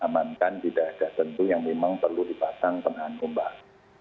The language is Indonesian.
amankan tidak ada tentu yang memang perlu dipasang penahan tumbang